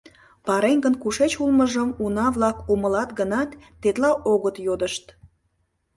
— Пареҥгын кушеч улмыжым уна-влак умылат гынат, тетла огыт йодышт.